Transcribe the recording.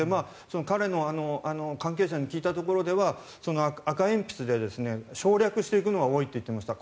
彼の関係者に聞いたところでは赤鉛筆で省略していくのが多いと言っていました。